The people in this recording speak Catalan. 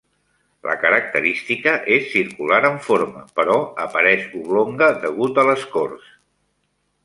La característica és circular en forma, però apareix oblonga degut a l'escorç.